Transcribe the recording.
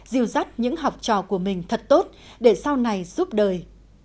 dìu dắt những học trò của mình thật tốt để sau này giúp đời